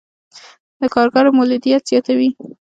د کارګرو مولدیت زیاتوي.